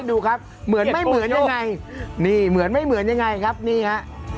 ดูครับเหมือนไม่เหมือนยังไงนี่เหมือนไม่เหมือนยังไงครับนี่ฮะ